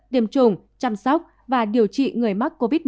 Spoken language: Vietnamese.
điểm trùng chăm sóc và điều trị người mắc covid một mươi chín